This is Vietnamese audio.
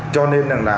cho nên là